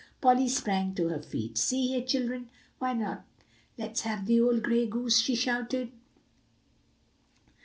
Polly sprang to her feet. "See here, children, why not let's have the old gray goose?" she shouted.